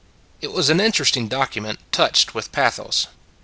It was an interesting document, touched with pathos.